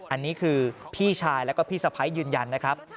อันนี้คือพี่ชายแล้วก็พี่สะพ้ายยืนยันนะครับ